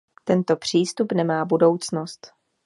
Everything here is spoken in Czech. Tento přístup nemá budoucnost.